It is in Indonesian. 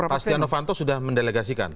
pastihanovanto sudah mendelegasikan